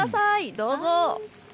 どうぞ。